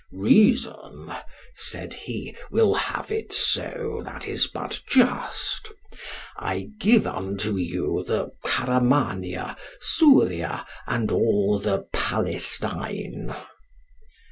Reason, said he, will have it so, that is but just. I give unto you the Caramania, Suria, and all the Palestine.